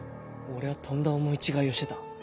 俺はとんだ思い違いをしてた。